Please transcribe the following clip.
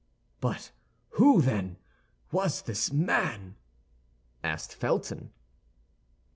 "But who, then, was this man?" asked Felton.